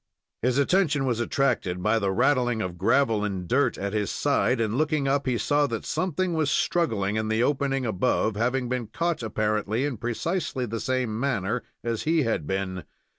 His attention was attracted by the rattling of gravel and dirt at his side, and looking up, he saw that something was struggling in the opening above, having been caught apparently in precisely the same manner as he had been.